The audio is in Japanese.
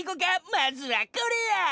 まずはこれや！